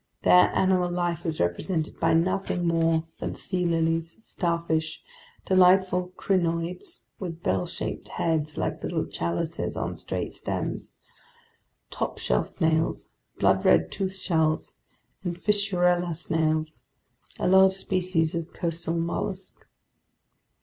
There animal life was represented by nothing more than sea lilies, starfish, delightful crinoids with bell shaped heads like little chalices on straight stems, top shell snails, blood red tooth shells, and fissurella snails, a large species of coastal mollusk.